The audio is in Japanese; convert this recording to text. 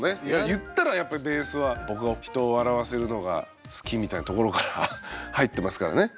言ったらやっぱりベースは僕は人を笑わせるのが好きみたいなところから入ってますからね。